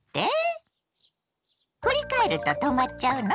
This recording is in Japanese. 振り返ると止まっちゃうの？